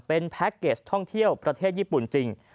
เป็นแพ็คเกจท่องเที่ยวประเทศญี่ปุ่นจริง